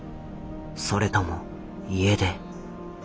それとも家出？